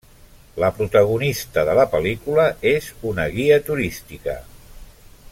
La protagonista de la pel·lícula és una guia turística.